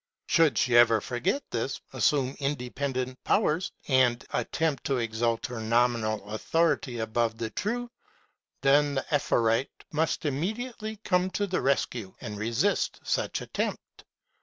Should she ever forget this, assume independent powers, and attempt to exalt her nominal authority above the true, then the Ephorate must immediately come to the rescue and resist such attempt.